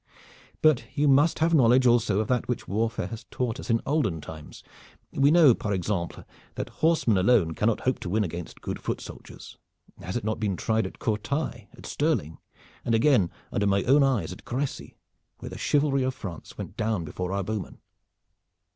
But you must have knowledge also of that which warfare has taught us in olden times. We know, par exemple, that horsemen alone cannot hope to win against good foot soldiers. Has it not been tried at Courtrai, at Stirling, and again under my own eyes at Crecy, where the chivalry of France went down before our bowmen?"